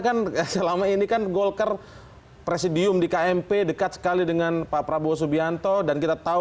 kan selama ini kan golkar presidium di kmp dekat sekali dengan pak prabowo subianto dan kita tahu